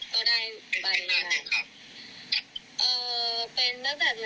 คุณผู้ป่วยเป็นแบนโพลามาเนีย